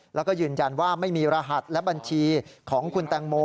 แล้วก็ยืนยันว่าไม่มีรหัสและบัญชีของคุณแตงโม